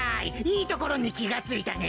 いいところに気がついたね。